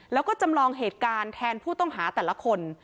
แล้วก็จำลองเหตุการณ์แทนผู้ต้องหาแต่ละคน